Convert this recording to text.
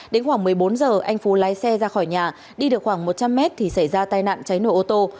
đến khoảng một mươi bốn giờ anh phú lái xe ra khỏi nhà đi được khoảng một trăm linh mét thì xảy ra tai nạn cháy nổ ô tô